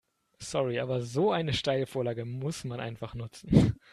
Sorry, aber so eine Steilvorlage muss man einfach nutzen.